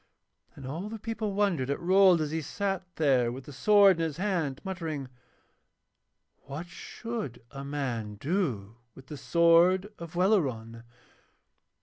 And all the people wondered at Rold as he sat there with the sword in his hand muttering, 'What should a man do with the sword of Welleran?'